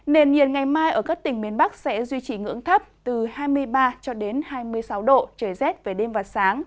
nền nhiệt ngày mai ở các tỉnh miền bắc sẽ duy trì ngưỡng thấp từ hai mươi ba cho đến hai mươi sáu độ trời rét về đêm và sáng